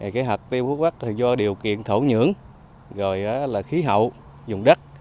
cái hạt tiêu phú quốc do điều kiện thổ nhưỡng khí hậu dùng đất